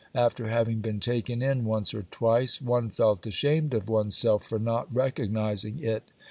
After having been taken in once or twice one felt ashamed of oneself for not recognizing it.